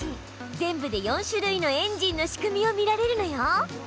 全部で４種類のエンジンの仕組みを見られるのよ。